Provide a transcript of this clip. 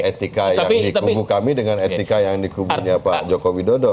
etika yang dikubur kami dengan etika yang dikuburnya pak joko widodo